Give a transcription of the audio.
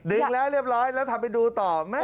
แล้วเรียบร้อยแล้วทำไปดูต่อ